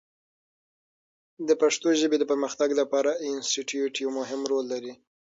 د پښتو ژبې د پرمختګ لپاره انسټیټوت یو مهم رول لري.